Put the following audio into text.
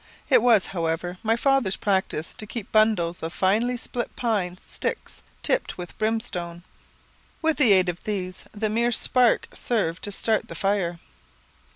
It was, however, my father's practice to keep bundles of finely split pine sticks tipped with brimstone. With the aid of these, the merest spark served to start the fire.